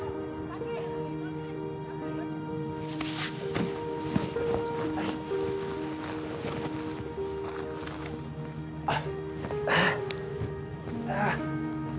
ああ！